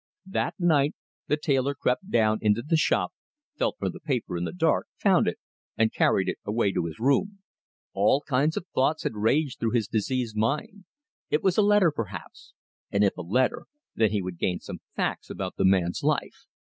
That night the tailor crept down into the shop, felt for the paper in the dark, found it, and carried it away to his room. All kinds of thoughts had raged through his diseased mind. It was a letter, perhaps, and if a letter, then he would gain some facts about the man's life.